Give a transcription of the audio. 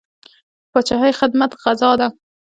د پاچاهۍ خدمت غزا ده.